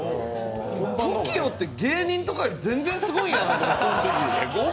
ＴＯＫＩＯって芸人とかよりも全然すごいやんって。